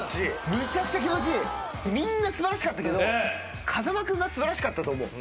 みんな素晴らしかったけど風間君が素晴らしかったと思う。